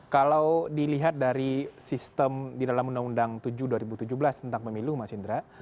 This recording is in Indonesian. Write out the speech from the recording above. kalau dilihat dari sistem di dalam undang undang tujuh dua ribu tujuh belas tentang pemilu mas indra